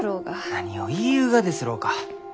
何を言いゆうがですろうか。